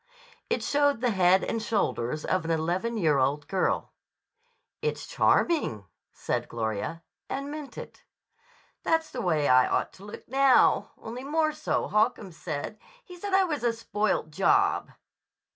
It showed the head and shoulders of an eleven year old girl. "It's charming," said Gloria, and meant it. "That's the way I ought to look now, only more so, Holcomb said. He said I was a spoilt job."